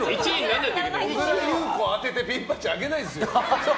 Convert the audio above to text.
小倉優子を当ててピンバッジあげないですよ。